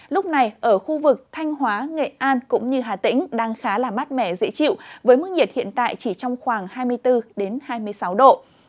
lúc này ở khu vực thanh hóa nghệ an cũng như hà tĩnh đang khá là mát mẻ dễ chịu với mức nhiệt hiện tại chỉ trong khoảng hai mươi bốn hai mươi sáu độ